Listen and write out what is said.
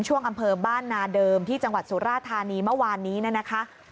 อำเภอบ้านนาเดิมที่จังหวัดสุราธานีเมื่อวานนี้นะคะ